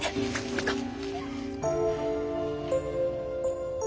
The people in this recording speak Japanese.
行こう。